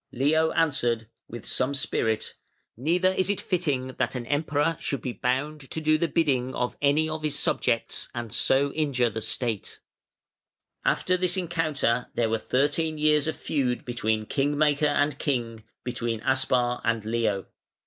Leo answered with some spirit: "Neither is it fitting that an Emperor should be bound to do the bidding of any of his subjects, and so injure the State". [Footnote 34: See p. 36.] After this encounter there were thirteen years of feud between King maker and King, between Aspar and Leo.